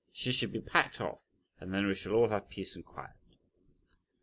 She should be packed off, and then we shall all have peace and quiet."